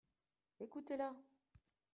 Écoutez-la.